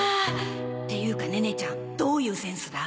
っていうかネネちゃんどういうセンスだ？